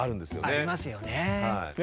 ありますよね。